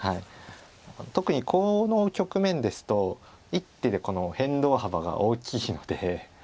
特にコウの局面ですと一手で変動幅が大きいので。